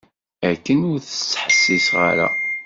Akken ur s-ttḥessiseɣ ara.